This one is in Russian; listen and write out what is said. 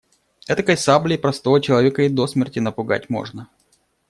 Этакой саблей простого человека и до смерти напугать можно.